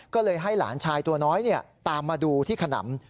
ก็เลยให้หลานชายตัวน้อยตามมาดูที่ขนำ